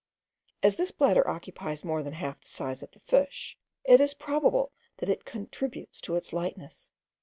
As this bladder occupies more than half the size of the fish, it is probable that it contributes to its lightness.